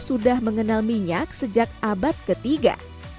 sudah mengenal minyak sejak abad ketiga